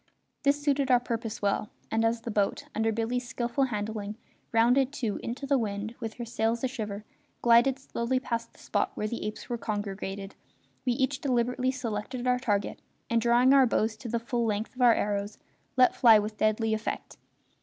This suited our purpose well, and as the boat, under Billy's skilful handling, rounding to into the wind, with her sails a shiver, glided slowly past the spot where the apes were congregated, we each deliberately selected our target and, drawing our bows to the full length of our arrows, let fly with deadly effect.